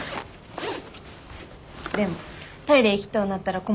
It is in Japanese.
うん。